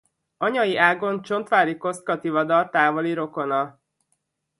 Anyai ágon Csontváry Kosztka Tivadar távoli rokona.